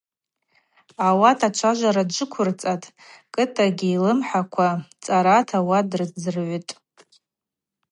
Ауат ачважвара джвыквырцӏатӏ, Кӏытӏагьи йлымхӏаква цӏарата ауат дрыздзыргӏвитӏ.